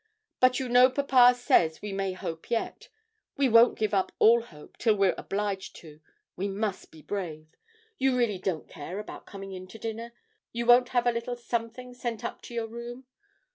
But you know papa says we may hope yet; we won't give up all hope till we're obliged to; we must be brave. You really don't care about coming in to dinner? You won't have a little something sent up to your room?